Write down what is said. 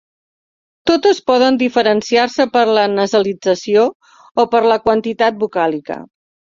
Totes poden diferenciar-se per la nasalització o per la quantitat vocàlica.